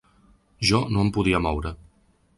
Jo no em podia moure.